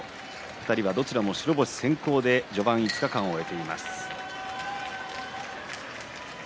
２人はどちらも白星先行で序盤５日間を終えています。